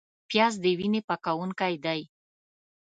پیاز د وینې پاکوونکی دی